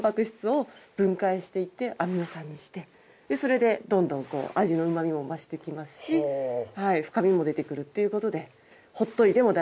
それでどんどん味のうま味も増して来ますし深みも出て来るっていうことでほっといても大丈夫。